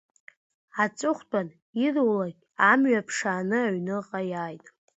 Аҵыхәтәан ирулакь амҩа ԥшааны аҩныҟа иааит.